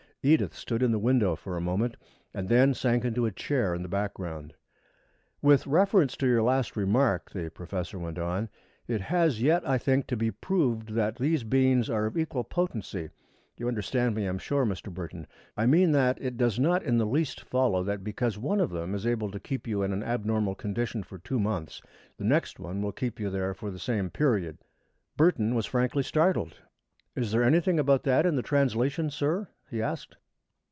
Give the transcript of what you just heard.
Edith stood in the window for a moment and then sank into a chair in the background. "With reference to your last remark," the professor went on, "it has yet, I think, to be proved that these beans are of equal potency. You understand me, I am sure, Mr. Burton? I mean that it does not in the least follow that because one of them is able to keep you in an abnormal condition for two months, the next one will keep you there for the same period." Burton was frankly startled. "Is there anything about that in the translation, sir?" he asked.